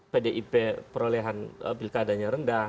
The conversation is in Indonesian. pdip perolehan pilkadanya rendah